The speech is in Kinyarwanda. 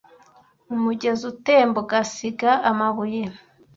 Umugezi utemba ugasiga amabuye.